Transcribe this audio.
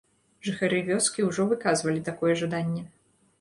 Жыхары вёскі ўжо выказвалі такое жаданне.